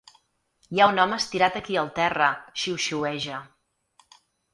Hi ha un home estirat aquí al terra, xiuxiueja.